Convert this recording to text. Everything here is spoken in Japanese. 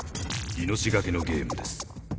命懸けのゲームです。